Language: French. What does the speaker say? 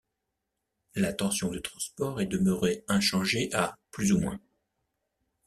La tension de transport est demeurée inchangée à ±.